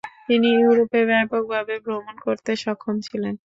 তিনি ইউরোপে ব্যাপকভাবে ভ্রমণ করতে সক্ষম ছিলেন।